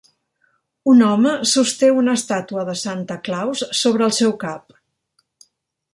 Un home sosté una estàtua de Santa Claus sobre el seu cap.